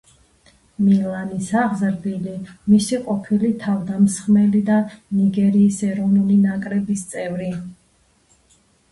მილანის აღზრდილი, მისი ყოფილი თავდამსხმელი და ნიგერიის ეროვნული ნაკრების წევრი.